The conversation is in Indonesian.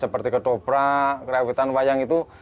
seperti ketoprak kerawitan wayang itu